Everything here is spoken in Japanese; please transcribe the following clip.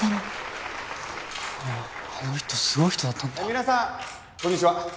皆さんこんにちは。